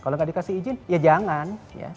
kalau nggak dikasih izin ya jangan